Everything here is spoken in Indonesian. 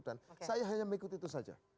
dan saya hanya mengikuti itu saja